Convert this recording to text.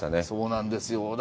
そうなんですよ。